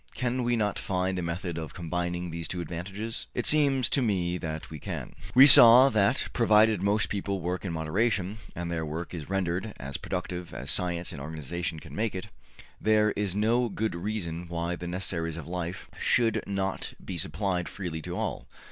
Can we not find a method of combining these two advantages? It seems to me that we can. We saw that, provided most people work in moderation, and their work is rendered as productive as science and organization can make it, there is no good reason why the necessaries of life should not be supplied freely to all.